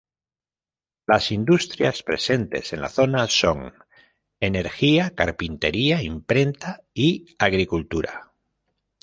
Las industrias presentes en la zona son: energía, carpintería, imprenta y agricultura.